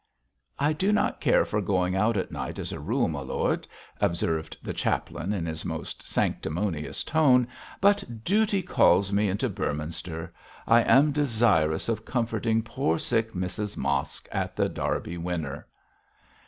'I do not care for going out at night as a rule, my lord, observed the chaplain, in his most sanctimonious tone, 'but duty calls me into Beorminster. I am desirous of comforting poor sick Mrs Mosk at The Derby Winner.'